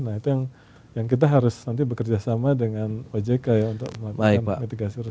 nah itu yang kita harus nanti bekerjasama dengan ojk ya untuk melakukan mitigasi terus